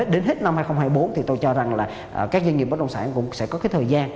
đến hết năm hai nghìn hai mươi bốn tôi cho rằng các doanh nghiệp bất đồng sản cũng sẽ có thời gian